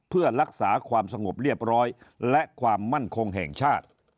เพื่อรักษาความสงบเรียบร้อยและความมั่นคงแห่งชาติ